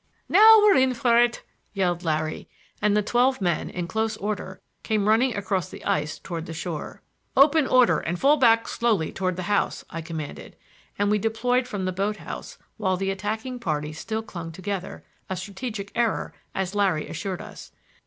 "Now we're in for it," yelled Larry, and the twelve men, in close order, came running across the ice toward the shore. "Open order, and fall back slowly toward the house," I commanded. And we deployed from the boat house, while the attacking party still clung together,—a strategic error, as Larry assured us.